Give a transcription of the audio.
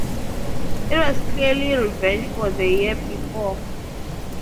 It was clearly revenge for the year before.